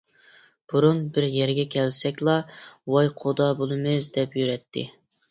بۇرۇن بىر يەرگە كەلسەكلا «ۋاي قۇدا بولىمىز» دەپ يۈرەتتى.